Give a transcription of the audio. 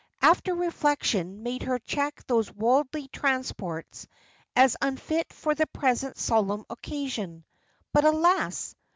After reflection made her check those worldly transports, as unfit for the present solemn occasion. But alas!